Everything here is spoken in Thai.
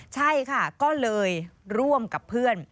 ใช่ค่ะก็เลยร่วมกับเพื่อน